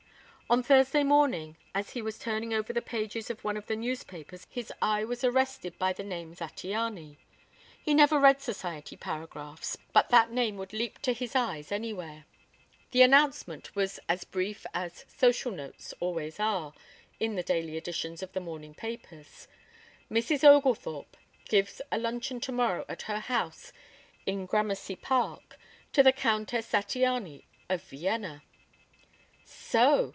On Thursday morning, as he was turning over the pages of one of the newspapers his eye was arrested by the name Zattiany. He never read Society paragraphs, but that name would leap to his eyes anywhere. The announcement was as brief as "social notes" always are in the daily editions of the morning papers: "Mrs. Oglethorpe gives a luncheon tomorrow at her house in Gramercy Park to the Countess Zattiany of Vienna." So!